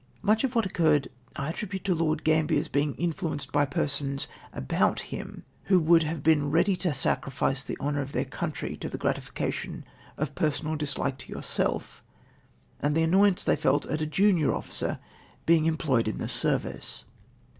Much of wJuit occurred I attribute to Lord Gainhiers being influenced by persons about him ivJi.o would have been ready to sacrifice the honour of tJieir country to the gratificcdion of fjersonrjl dislike to yourself, and the annoyance they felt at a junior officer being employed in the service.